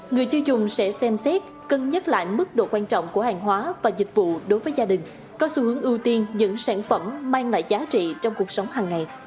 người tiêu dùng sẽ xem xét cân nhắc lại mức độ quan trọng của hàng hóa và dịch vụ đối với gia đình có xu hướng ưu tiên những sản phẩm mang lại giá trị trong cuộc sống hàng ngày